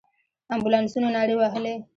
امبولانسونو نارې وهلې.